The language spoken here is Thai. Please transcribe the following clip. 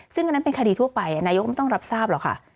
ซึ่งอันนั้นเป็นคดีทั่วไปนายกไม่ต้องรับทราบหรอกค่ะ